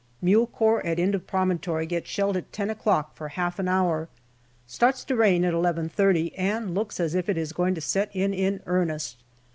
Mule Corps at end of promontory get shelled at ten o'clock for half an hour. Starts to rain at 11.30, and looks as if it is going to set in in earnest.